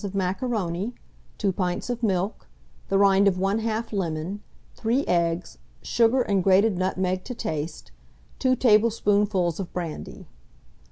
of macaroni, 2 pints of milk, the rind of 1/2 lemon, 3 eggs, sugar and grated nutmeg to taste, 2 tablespoonfuls of brandy.